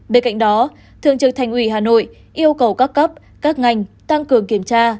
bên cạnh đó thượng trưởng thành ủy hà nội yêu cầu các cấp các ngành tăng cường kiểm tra